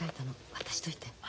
渡しといて。